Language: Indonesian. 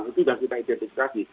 itu sudah kita identifikasi